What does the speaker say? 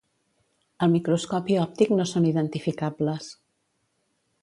Al microscopi òptic, no són identificables.